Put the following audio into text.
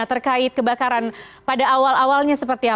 dari tempat yang terdapatkan apakah anda mendapatkan informasi lainnya